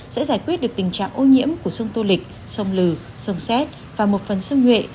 sẽ giải quyết được tình trạng ô nhiễm của sông tô lịch sông lừ sông xét và một phần sông nhuệ